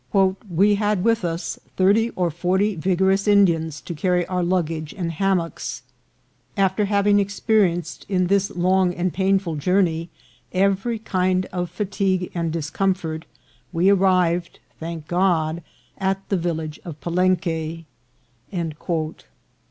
" We had with us thirty or forty vigorous Indians to carry our luggage and hammocks. After having expe rienced in this long and painful journey every kind of fatigue and discomfort, we arrived, thank God, at the village of Palenque."